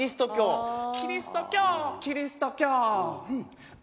「キリスト教キリスト教仏教」